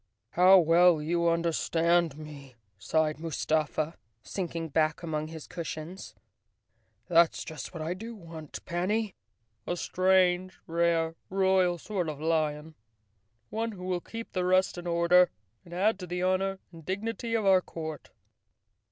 "How well you understand me," sighed Mustafa, sinking back among his cushions. "That's just what I do want, Panny—a strange, rare, royal sort of lion; one who will keep the rest in order and add to the honor and dignity of our court."